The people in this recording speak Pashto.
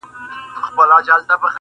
چي نه غضب د محتسب وي نه دُره د وحشت -